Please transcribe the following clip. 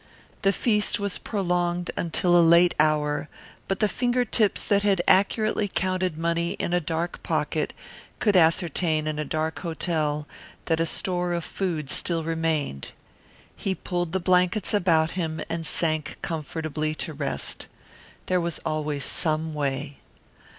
The feast was prolonged until a late hour, but the finger tips that had accurately counted money in a dark pocket could ascertain in a dark hotel that a store of food still remained. He pulled the blankets about him and sank comfortably to rest. There was always some way.